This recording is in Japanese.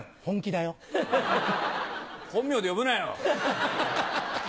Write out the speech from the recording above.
本名で呼ぶなよ。